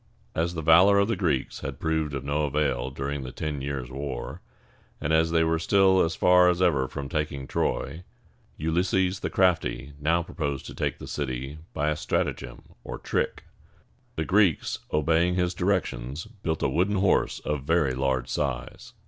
As the valor of the Greeks had proved of no avail during the ten years' war, and as they were still as far as ever from taking Troy, Ulysses the crafty now proposed to take the city by a stratagem, or trick. The Greeks, obeying his directions, built a wooden horse of very large size.